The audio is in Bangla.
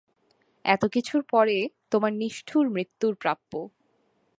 এত কিছুর পরে তোমার নিষ্ঠুর মৃত্যুর প্রাপ্য।